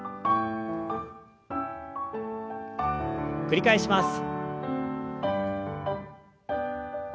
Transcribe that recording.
繰り返します。